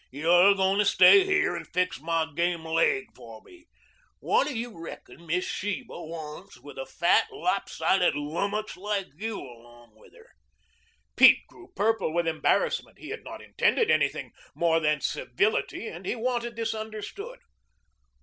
You're a goin' to stay here and fix my game laig for me. What do you reckon Miss Sheba wants with a fat, lop sided lummox like you along with her?" Pete grew purple with embarrassment. He had not intended anything more than civility and he wanted this understood.